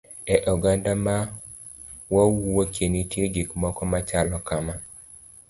E oganda ma wawuoke nitie gik moko machalo kama.